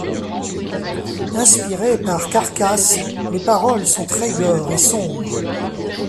Inspirées par Carcass, les paroles sont très gore et sombres.